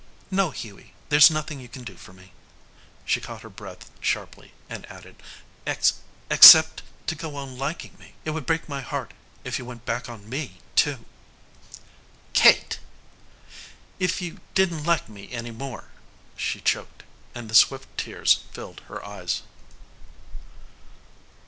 "No, Hughie, there's nothing you can do for me." She caught her breath sharply and added, "Ex except to go on liking me. It would break my heart if you went back on me, too." "Kate!" "If you didn't like me any more " She choked and the swift tears filled her eyes.